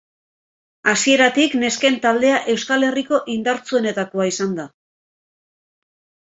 Hasieratik nesken taldea Euskal Herriko indartsuenetakoa izan da.